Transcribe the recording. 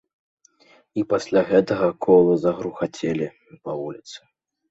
І пасля гэтага колы загрукацелі па вуліцы.